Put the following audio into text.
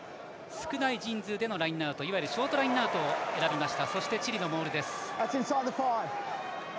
少ない人数でのラインアウトいわゆるショートラインアウトを選びました。